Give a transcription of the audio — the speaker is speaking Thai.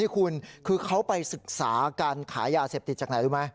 คุณคือเขาไปศึกษาการขายยาเสพติดจากไหนรู้ไหม